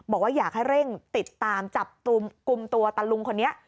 บอกว่าอยากให้เร่งติดตามจับกลุ่มตัวตะลุงคนนี้